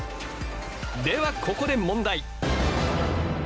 ではここで問題。